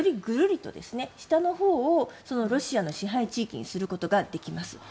ぐるりと下のほうをそのロシアの支配地域にすることができます。